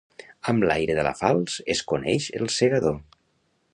Amb l'aire de la falç es coneix el segador.